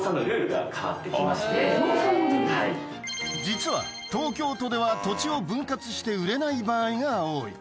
実は東京都では土地を分割して売れない場合が多い